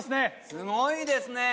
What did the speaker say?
すごいですね！